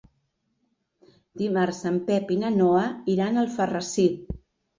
Dimarts en Pep i na Noa iran a Alfarrasí.